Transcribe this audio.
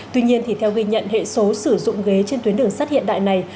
tuy nhiên theo ghi nhận hệ số sử dụng ghế trên tuyến đường sắt hiện đại này